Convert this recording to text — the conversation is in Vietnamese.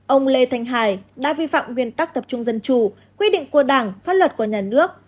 ông lê thanh hải đã vi phạm nguyên tắc tập trung dân chủ quy định của đảng pháp luật của nhà nước